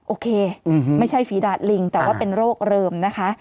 โอเคไม่ใช่ฝีดาดลิงแต่ว่าเป็นโรคเริมนะคะ